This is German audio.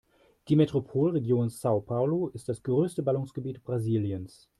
Die Metropolregion São Paulo ist das größte Ballungsgebiet Brasiliens.